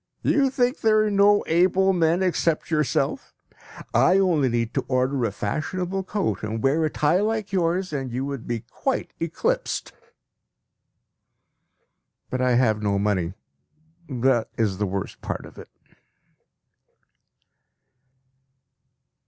You think there are no able men except yourself? I only need to order a fashionable coat and wear a tie like yours, and you would be quite eclipsed. But I have no money that is the worst part of it!